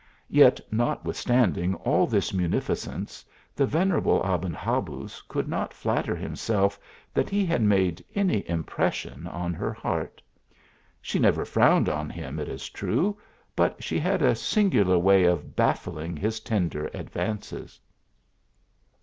Yet, notwithstanding all this munfi cence, the venerable Aben Habuz could not flatter himself that he had made any impression on her heart. She never frowned on him, it is true, but she had a singular way of baffling his tender advances.